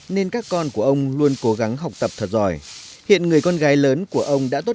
nên các con của ông luôn cố gắng học tập thật giỏi hiện người con gái lớn của ông đã tốt